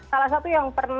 salah satu yang sering